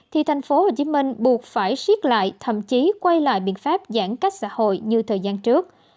thì tp hcm buộc phải siết lại thậm chí quay lại biện pháp giãn cách xã hội như thời gian trước